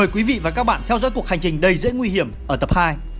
mời quý vị và các bạn theo dõi cuộc hành trình đầy dễ nguy hiểm ở tập hai